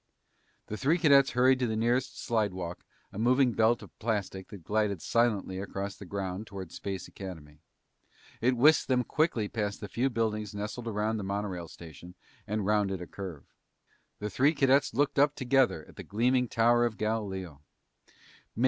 The three cadets hurried to the nearest slidewalk, a moving belt of plastic that glided silently across the ground toward Space Academy. It whisked them quickly past the few buildings nestled around the monorail station and rounded a curve. The three cadets looked up together at the gleaming Tower of Galileo.